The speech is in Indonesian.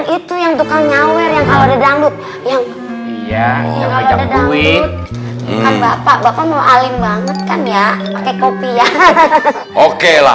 itu yang tukangnyawer yang kalau ada danduk yang iya